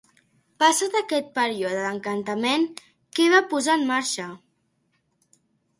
Passat aquest període d'encantament, què va posar en marxa?